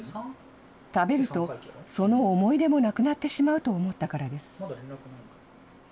食べると、その思い出もなくなってしまうと思ったからです。